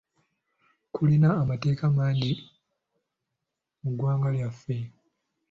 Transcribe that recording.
Kulina amateeka mangi mu ggwanga lyaffe.